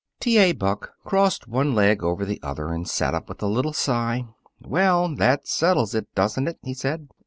T. A. Buck crossed one leg over the other and sat up with a little sigh. "Well, that settles it, doesn't it?" he said.